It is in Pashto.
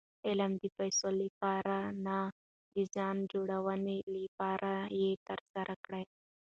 علم د پېسو له پاره نه، د ځان جوړوني له پاره ئې ترسره کړئ.